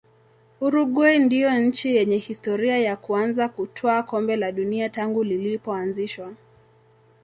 uruguay ndio nchi yenye historia ya kuanza kutwaa kombe la dunia tangu lilipoanzishwa